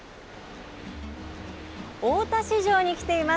大田市場に来ています。